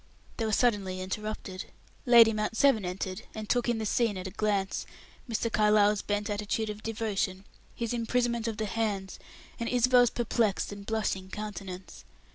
They were suddenly interrupted. Lady Mount Severn entered, and took in the scene at a glance; Mr. Carlyle's bent attitude of devotion, his imprisonment of the hands, and Isabel's perplexed and blushing countenance.